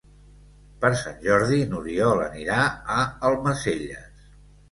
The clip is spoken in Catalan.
Per Sant Jordi n'Oriol anirà a Almacelles.